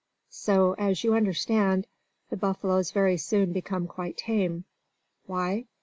So, as you understand, the buffaloes very soon become quite tame. Why?